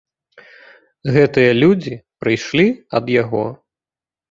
Гэтыя людзі прыйшлі ад яго.